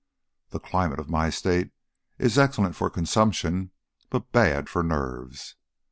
The climate of my State is excellent for consumption, but bad for nerves.